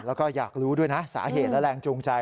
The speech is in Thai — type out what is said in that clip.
แล้วก็อยากรู้ด้วยนะสาเหตุและแรงจูงใจ